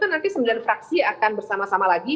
nanti sembilan fraksi akan bersama sama lagi